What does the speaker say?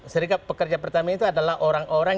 serikat pekerja pertamina itu adalah orang orang